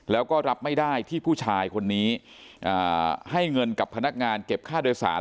แล้วก็รับไม่ได้ที่ผู้ชายคนนี้ให้เงินกับพนักงานเก็บค่าโดยสาร